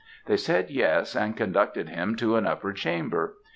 They said 'yes,' and conducted him to an upper chamber.